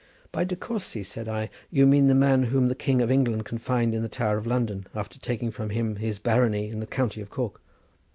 "By De Courcy," said I, "you mean the man whom the King of England confined in the Tower of London after taking him from his barony in the county of Cork."